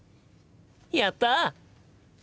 やった！